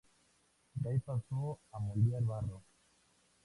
De ahí pasó a moldear barro.